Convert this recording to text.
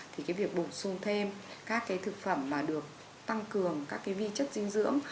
thì cái việc bổ sung thêm các cái thực phẩm là được tăng cường các cái vi chất dinh dưỡng